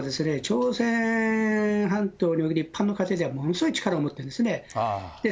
長女が朝鮮半島における一般の家庭ではものすごい力を持ってるんですね。